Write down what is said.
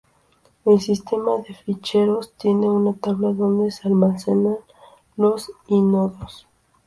El sistema de ficheros tiene una tabla donde se almacenan los i-nodos.